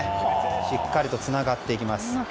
しっかりとつながっていきます。